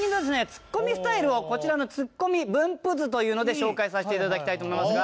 ツッコミスタイルをこちらのツッコミ分布図というので紹介させて頂きたいと思いますが。